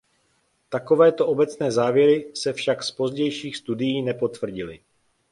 Takovéto obecné závěry se však z pozdějších studií nepotvrdily.